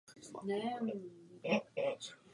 Hned po sezóně se ale vrátil zpět do Švýcarska.